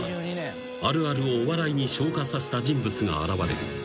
［あるあるをお笑いに昇華させた人物が現れる］